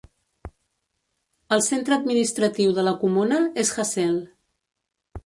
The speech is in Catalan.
El centre administratiu de la comuna és Hassel.